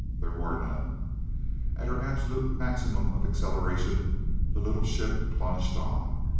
There were none. At her absolute maximum of acceleration the little ship plunged on.